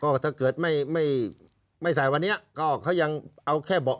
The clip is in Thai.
ก็ถ้าเกิดไม่ไม่ใส่วันนี้ก็เขายังเอาแค่เบาะ